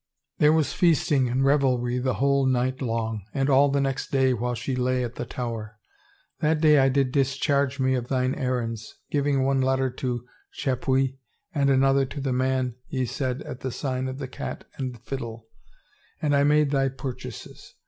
There was feasting and revelry the whole night long, and all the next day while she lay at the Tower. That day I did discharge me of thine errands, giving one letter to Chapuis and another to the man ye said at the Sign of the Cat and Fiddle, and I made thy purchases.